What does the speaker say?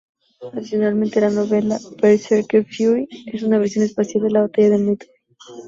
Adicionalmente, la novela "Berserker Fury" es una versión espacial de la Batalla de Midway.